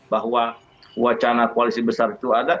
bahwa wacana koalisi besar itu ada